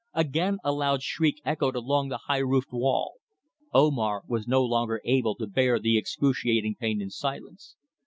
Again a loud shriek echoed along the high roofed hall. Omar was no longer able to bear the excruciating pain in silence.